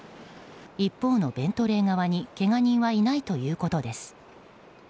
一方のベントレー側にけが人はいないということです。